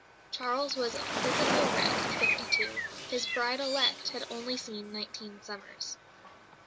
Charles was a physical wreck of fifty two; his bride elect had only seen nineteen summers.